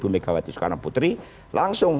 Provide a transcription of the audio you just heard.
megawati soekarno putri langsung